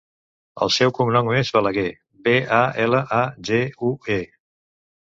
El seu cognom és Balague: be, a, ela, a, ge, u, e.